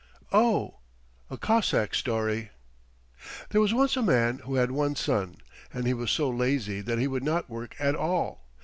OH! A COSSACK STORY There was once a man who had one son, and he was so lazy that he would not work at all.